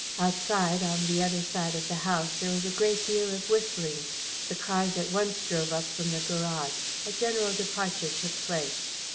Outside, on the other side of the house, there was a great deal of whistling. The cars at once drove up from the garage. A general departure took place.